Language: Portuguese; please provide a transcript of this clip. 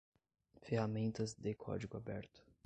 ferramentas de código aberto